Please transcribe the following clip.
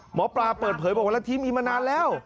หมอปลาเปิดเผยบอกว่ารัฐธิมีมานานแล้ว